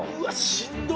しんどっ。